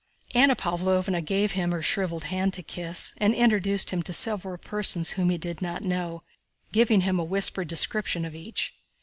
Anna Pávlovna gave him her shriveled hand to kiss and introduced him to several persons whom he did not know, giving him a whispered description of each.